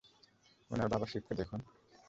উনার বাবা শিবকে দেখুন?